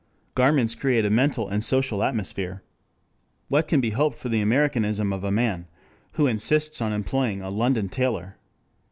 Garments create a mental and social atmosphere. What can be hoped for the Americanism of a man who insists on employing a London tailor?